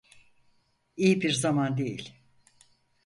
İyi bir zaman değil.